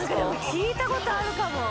聞いたことあるかも。